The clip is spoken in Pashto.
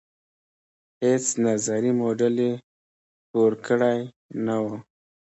هیڅ نظري موډل یې پور کړې نه وه.